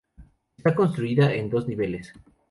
Está construida en dos niveles.